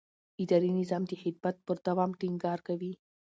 اداري نظام د خدمت پر دوام ټینګار کوي.